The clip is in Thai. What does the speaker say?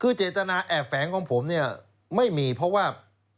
คือเจตนาแอบแฝงของผมเนี่ยไม่มีเพราะว่า